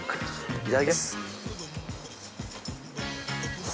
いただきます。